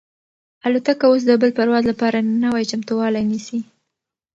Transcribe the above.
الوتکه اوس د بل پرواز لپاره نوی چمتووالی نیسي.